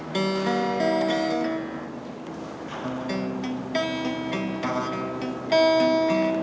lu mau bantuin